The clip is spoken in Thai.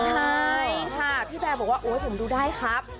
ใช่ค่ะพี่แบร์บอกว่าโอ๊ยผมดูได้ครับ